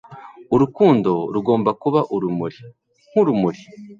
Urukundo rugomba kuba urumuri, nk'urumuri.”